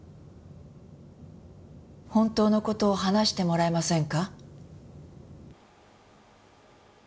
本当の事を話してもらえませんか？